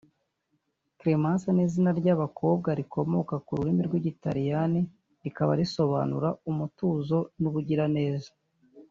Clémence ni izina ry’abakobwa rikomoka ku rurimi rw’Ikilatini rikaba risobanura “Umutuzo n’ubugiraneza”